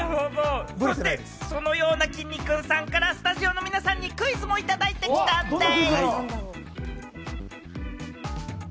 そのような、きんに君さんからスタジオの皆さんにクイズもいただいてきたんでぃす！